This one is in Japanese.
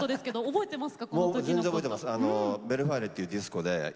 覚えてます。